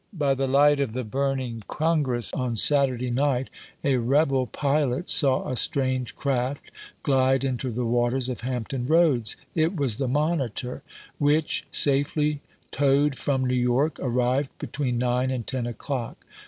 By the light of the burning Congress, on Saturday night a rebel pilot saw a strange craft Magaztoe, glide into the waters of Hampton Roads; it was p. "204. the Monitor, which, safely towed from New York, arrived between nine and ten o'clock.